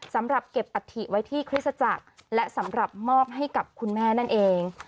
สำหรับเก็บอัฐิไว้ที่คริสตจักรและสำหรับมอบให้กับคุณแม่นั่นเอง